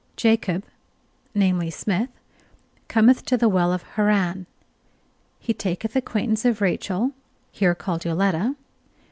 Jacob namely, Smith cometh to the well of Haran. He taketh acquaintance of Rachel, here called Yoletta.